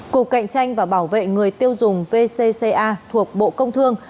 cục cạnh tranh và bảo vệ người tiêu dùng vcca thuộc bộ công thương